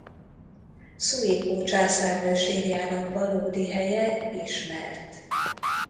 Szuiko császárnő sírjának valódi helye ismert.